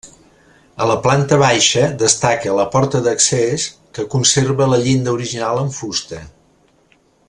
A la planta baixa destaca la porta d'accés, que conserva la llinda original en fusta.